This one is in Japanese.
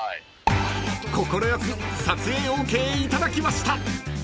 ［快く撮影ＯＫ頂きました］